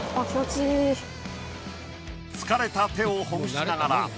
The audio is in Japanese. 疲れた手をほぐしながら。